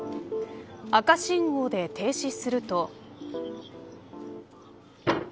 赤信号で停止すると。